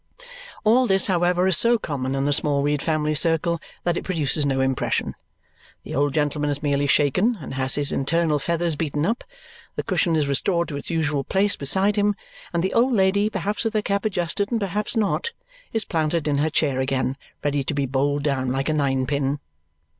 All this, however, is so common in the Smallweed family circle that it produces no impression. The old gentleman is merely shaken and has his internal feathers beaten up, the cushion is restored to its usual place beside him, and the old lady, perhaps with her cap adjusted and perhaps not, is planted in her chair again, ready to be bowled down like a ninepin.